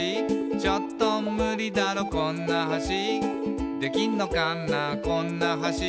「ちょっとムリだろこんな橋」「できんのかなこんな橋」